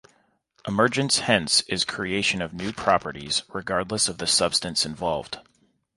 Emergence hence is creation of new properties regardless of the substance involved.